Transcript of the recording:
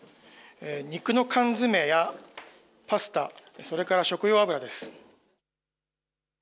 肉の缶詰やパスタ、それから食用油です。